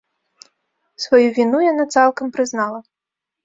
Сваю віну яна цалкам прызнала.